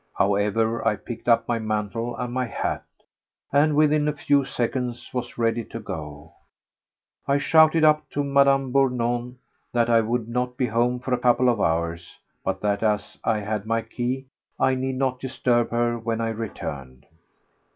However, I picked up my mantle and my hat, and within a few seconds was ready to go. I shouted up to Mme. Bournon that I would not be home for a couple of hours, but that as I had my key I need not disturb her when I returned.